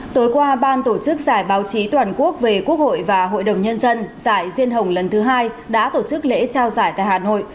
tối qua ban tổ chức giải báo chí toàn quốc về quốc hội và hội đồng nhân dân giải diên hồng lần thứ hai đã tổ chức lễ trao giải tại hà nội